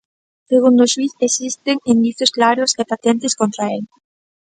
Segundo o xuíz, existen indicios claros e patentes contra el.